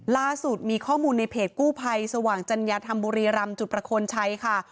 ล่าสุดมีข้อมูลในเพจกู้ภัยสว่างจัญญาธรรมบุรีรำจุดประโคนชัยค่ะ